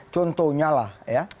contohnya lah ya